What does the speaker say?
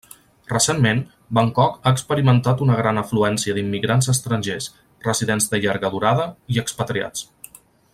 Recentment, Bangkok ha experimentat una gran afluència d'immigrants estrangers, residents de llarga durada, i expatriats.